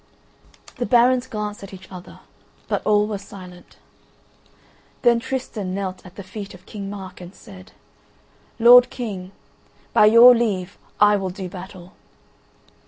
The barons glanced at each other but all were silent. Then Tristan knelt at the feet of King Mark and said: "Lord King, by your leave I will do battle."